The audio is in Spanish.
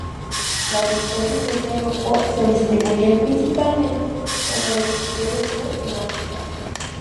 Las especies de este grupo se distribuyen principalmente en el Hemisferio sur en África.